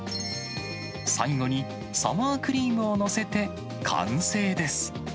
最後にサワークリームを載せて、完成です。